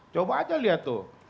coba aja lihat tuh